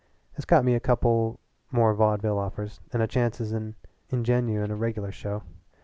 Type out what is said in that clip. This got me a coupla more vaudeville offers and a chance as an ingénue in a regular show.